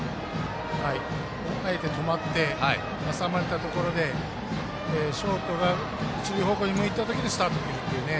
あえて止まって挟まれたところでショートが一塁方向に向いた時にスタートを切るっていうね。